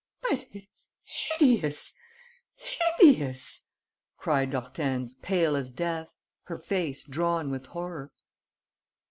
"But it's hideous, hideous!" cried Hortense, pale as death, her face drawn with horror.